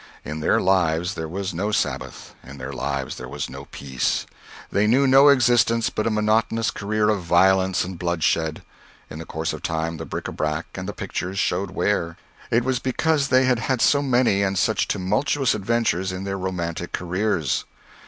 In their lives there was no Sabbath, in their lives there was no peace; they knew no existence but a monotonous career of violence and bloodshed. In the course of time, the bric à brac and the pictures showed wear. It was because they had had so many and such tumultuous adventures in their romantic careers.